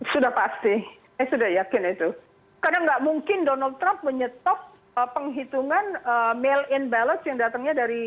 sudah pasti saya sudah yakin itu karena nggak mungkin donald trump menyetop penghitungan mail in ballot yang datangnya dari